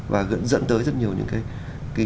và dẫn tới rất nhiều những cái